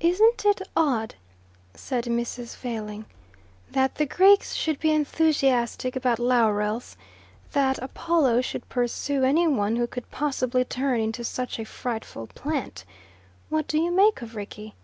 "Isn't it odd," said Mrs. Failing, "that the Greeks should be enthusiastic about laurels that Apollo should pursue any one who could possibly turn into such a frightful plant? What do you make of Rickie?"